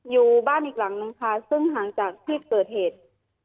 อยู่บ้านอีกหลังนึงค่ะซึ่งห่างจากที่เกิดเหตุ